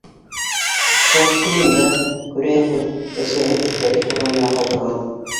Пластилинды, күрәһең, әсәһе иҫтәлек урынына ҡалдырған.